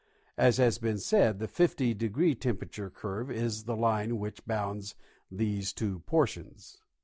As has been said, the 50° temperature curve is the line which bounds these two portions.